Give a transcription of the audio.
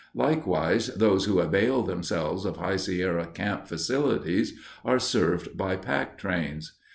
Likewise, those who avail themselves of High Sierra Camp facilities are served by pack trains.